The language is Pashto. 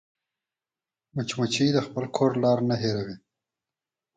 مچمچۍ د خپل کور لار نه هېروي